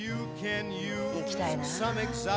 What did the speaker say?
行きたいな。